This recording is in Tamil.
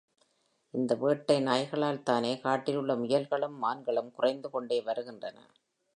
இந்த வேட்டை நாய்களால்தானே காட்டிலுள்ள முயல்களும், மான்களும் குறைந்து கொண்டே வருகின்றன!